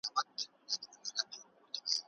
چي اشرف د مخلوقاتو د سبحان دی